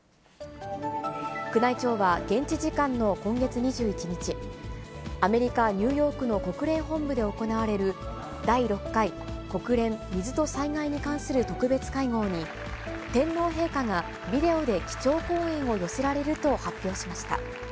宮内庁は現地時間の今月２１日、アメリカ・ニューヨークの国連本部で行われる第６回国連水と災害に関する特別会合に、天皇陛下がビデオで基調講演を寄せられると発表しました。